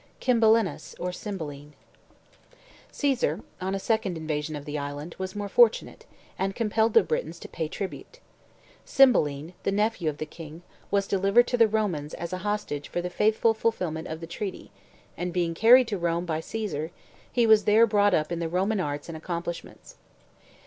KYMBELINUS, OR CYMBELINE Caesar, on a second invasion of the island, was more fortunate, and compelled the Britons to pay tribute. Cymbeline, the nephew of the king, was delivered to the Romans as a hostage for the faithful fulfilment of the treaty, and, being carried to Rome by Caesar, he was there brought up in the Roman arts and accomplishments.